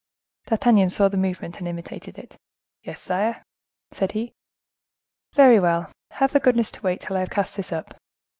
D'Artagnan saw the movement and imitated it. "Yes, sire," said he. "Very well; have the goodness to wait till I have cast this up."